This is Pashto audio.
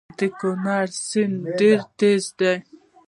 د کونړ سیند ډیر تېز دی